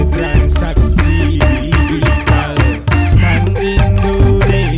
transaksi digital dan indonesia